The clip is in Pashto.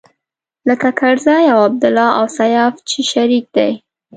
لکه کرزی او عبدالله او سياف چې شريک دی.